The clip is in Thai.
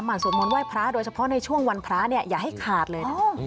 หมั่นสวดมนต์ไหว้พระโดยเฉพาะในช่วงวันพระอย่าให้ขาดเลย